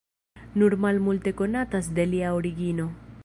Nur malmulte konatas de lia origino.